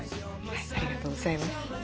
ありがとうございます。